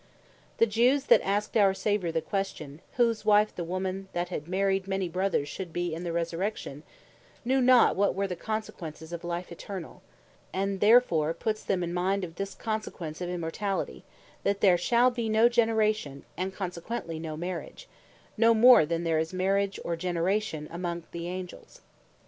The Jews that asked our Saviour the question, whose wife the woman that had married many brothers, should be, in the resurrection, knew not what were the consequences of Immortality; that there shal be no Generation, and consequently no marriage, no more than there is Marriage, or generation among the Angels.